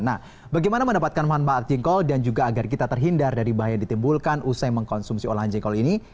nah bagaimana mendapatkan manfaat jengkol dan juga agar kita terhindar dari bahaya yang ditimbulkan usai mengkonsumsi olahan jengkol ini